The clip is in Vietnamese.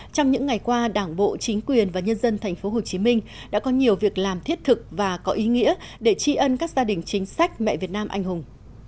trong những ngày qua đảng bộ chính quyền và nhân dân tp hcm đã có nhiều việc làm thiết thực và có ý nghĩa để tri ân các gia đình chính sách mẹ việt nam anh hùng